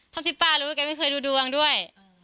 ที่ป้ารู้แกไม่เคยดูดวงด้วย